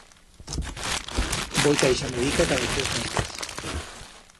Voi ta ixa medica cada tres meses.